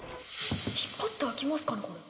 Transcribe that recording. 引っ張って開きますかねこれ。